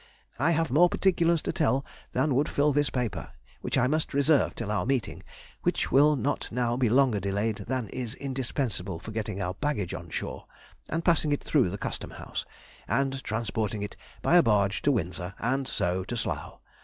I have more particulars to tell than would fill this paper, which I must reserve till our meeting, which will not now be longer delayed than is indispensable for getting our baggage on shore, and passing it through the Custom House, and transporting it by a barge to Windsor, and so to Slough.